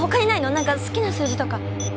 何か好きな数字とか。